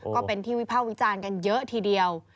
ก็เป็นที่วิภาควิจารณ์กันเยอะทีเดียว